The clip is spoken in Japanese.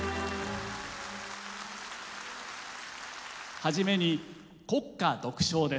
はじめに国歌独唱です。